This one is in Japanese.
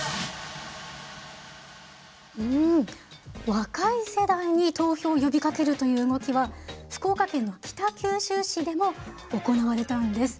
若い世代に投票を呼びかけるという動きは福岡県の北九州市でも行われたんです。